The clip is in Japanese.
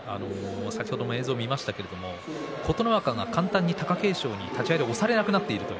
先ほども映像で見ましたけど琴ノ若が簡単に貴景勝に押されなくなっていると。